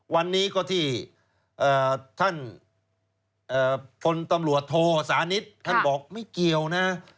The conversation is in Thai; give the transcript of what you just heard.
วันนี้ก็ที่ท่านพลตำรวจโทสานิทท่านบอกไม่เกี่ยวนะ